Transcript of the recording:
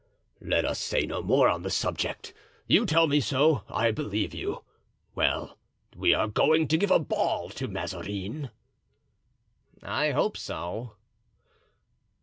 "Let us say no more on the subject; you tell me so, I believe you. Well, we are going to give a ball to Mazarin." "I hope so."